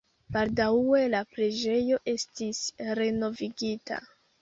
Baldaŭe la preĝejo estis renovigita.